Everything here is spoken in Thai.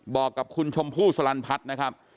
บอกกับคุณชมพู่สลันพัฒน์นะครับ